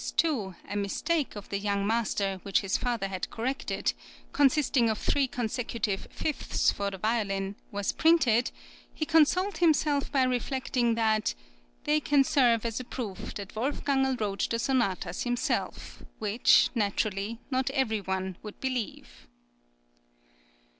2, a mistake of the young master, which his father had corrected (consisting of three consecutive fifths for the violin), was printed, he consoled himself by reflecting that "they can serve as a proof that Wolfgangerl wrote the sonatas himself, which, naturally, not every one would believe."